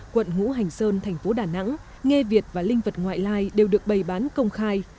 quận ngũ hành sơn thành phố đà nẵng nghe việt và linh vật ngoại lai đều được bày bán công khai